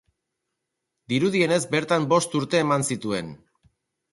Dirudienez bertan bost urte eman zituen.